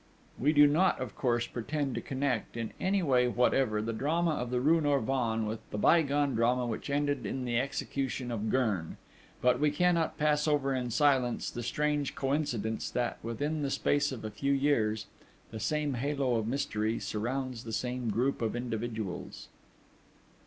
We do not, of course, pretend to connect, in any way whatever, the drama of the rue Norvins with the bygone drama which ended in the execution of Gurn, but we cannot pass over in silence the strange coincidence that, within the space of a few years, the same halo of mystery surrounds the same group of individuals....